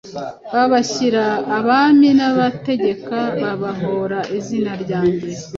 babashyira abami n’abategeka, babahora izina ryanjye